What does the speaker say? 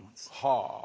はあ。